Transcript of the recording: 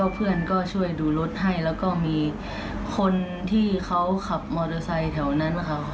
เพื่อนก็ช่วยดูรถให้แล้วก็มีคนที่เขาขับมอเตอร์ไซค์แถวนั้นนะคะ